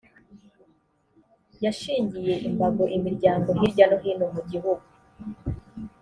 yashingiye imbago imiryango hirya no hino mu gihugu